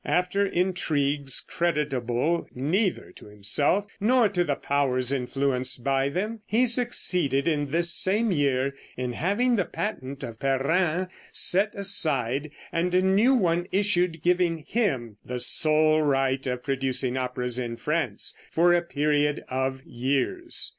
After intrigues creditable neither to himself nor to the powers influenced by them, he succeeded in this same year in having the patent of Perrin set aside, and a new one issued, giving him the sole right of producing operas in France for a period of years.